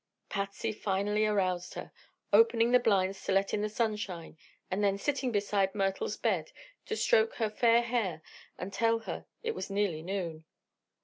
Patsy finally aroused her, opening the blinds to let in the sunshine and then sitting beside Myrtle's bed to stroke her fair hair and tell her it was nearly noon.